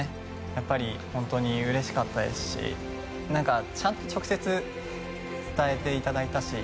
やっぱり本当にうれしかったですしちゃんと直接伝えていただいたし。